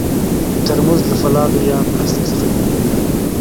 ترموز له فولادو یا پلاستیک څخه جوړېږي.